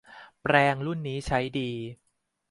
แปรงรุ่นนี้ใช้ดี